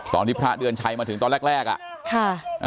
ตอนพระเดือนชัยมาถึงตอนแรกอ่ะ